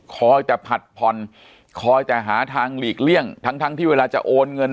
คอยแต่ผัดพรคอยแต่หาทางหลีกเลี่ยงทั้งที่เวลาจะโอนเงิน